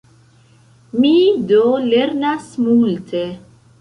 Mi do lernas multe.